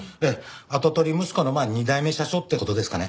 跡取り息子のまあ２代目社長って事ですかね。